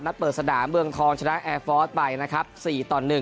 เปิดสนามเมืองทองชนะแอร์ฟอร์สไปนะครับ๔ต่อ๑